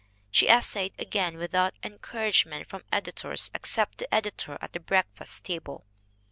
She essayed again without encouragement from editors ex cept the editor at the breakfast table.